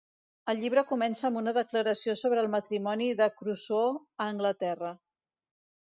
El llibre comença amb una declaració sobre el matrimoni de Crusoe a Anglaterra.